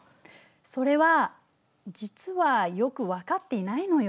それは実はよく分かっていないのよ。